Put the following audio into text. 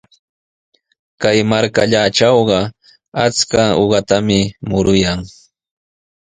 Kay markatrawqa achka uqatami muruyan.